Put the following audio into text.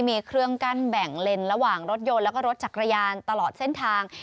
มีเครื่องกั้นแบ่งเลนระหว่างรถยนต์แล้วก็รถจักรยานตลอดเส้นทาง